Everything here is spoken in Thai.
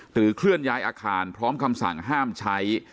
เคลื่อนย้ายอาคารพร้อมคำสั่งห้ามใช้